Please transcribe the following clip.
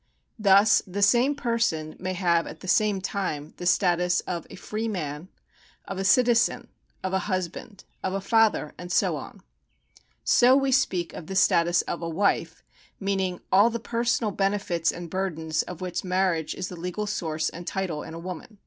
Thus the same person may have at the same time the stal us of a free man, of a citizen, of a husband, of a father, and so on. So wc sjieak of the status of a wife, meaning all the personal benefits and burdenw of which marriage is the legal source and title in a woman.